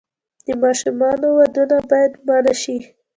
د ماشومانو ودونه باید منع شي.